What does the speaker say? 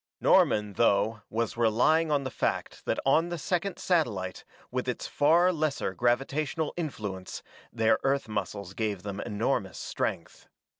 Norman, though, was relying on the fact that on the second satellite, with its far lesser gravitational influence, their Earth muscles gave them enormous strength.